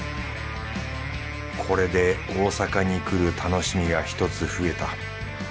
これで大阪に来る楽しみが１つ増えた。